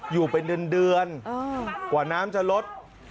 อยู่เป็นเดือนกว่าน้ำจะลด